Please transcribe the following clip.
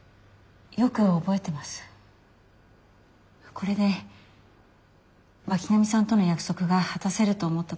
これで巻上さんとの約束が果たせると思った時で。